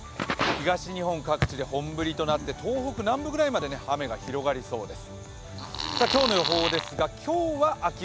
東日本各地で本降りとなって東北南部くらいまで雨が広がりそうです。